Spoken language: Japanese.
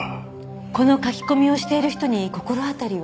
この書き込みをしている人に心当たりは？